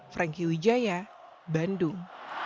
franky wijaya bandung